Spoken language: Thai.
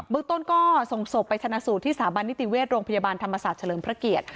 เมืองต้นก็ส่งศพไปชนะสูตรที่สถาบันนิติเวชโรงพยาบาลธรรมศาสตร์เฉลิมพระเกียรติ